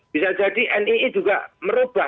bisa jadi nii juga merebak